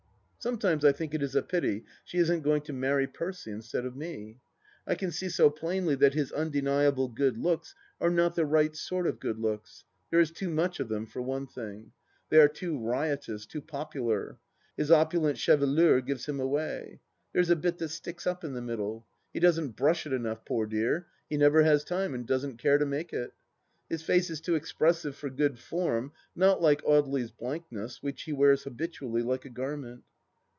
Sometimes I think it is a pity she isn't going to marry Percy instead of me. I can see so plainly that his imdeniable good looks are not the right sort of good looks ; there is too much of them, for one thing. They are too riotous, too popular. His opulent chevelure gives him away. There's a bit that sticks up in the middle. He doesn't brush it enough, poor dear ; he never has time, and doesn't care to make it. His face is too expressive for good form, not like Audely's blankness, which he wears habitually like a garment.